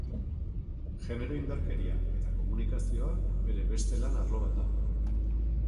Genero-indarkeria eta komunikazioa bere beste lan arlo bat da.